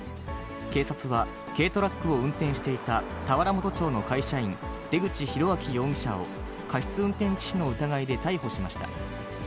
警察は軽トラックを運転していた田原本町の会社員、出口博章容疑者を、過失運転致死の疑いで逮捕しました。